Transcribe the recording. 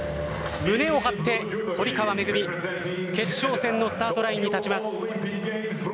胸を張って、堀川恵決勝戦のスタートラインに立ちます。